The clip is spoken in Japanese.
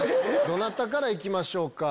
どなたから行きましょうか。